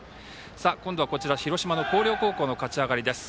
今度はこちら広島・広陵高校の勝ち上がりです。